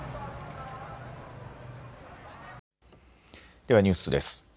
ではニュースです。